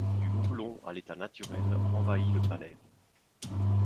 Du houblon à l'état naturel envahit le palais.